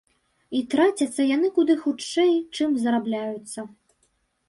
І трацяцца яны куды хутчэй, чым зарабляюцца.